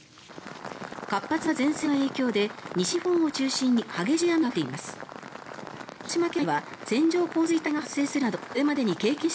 活発な前線の影響で西日本を中心に激しい雨が降っています。